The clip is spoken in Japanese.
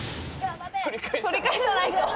取り返さないと！